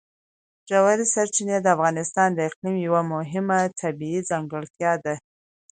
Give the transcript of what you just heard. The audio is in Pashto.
ژورې سرچینې د افغانستان د اقلیم یوه مهمه طبیعي ځانګړتیا ده.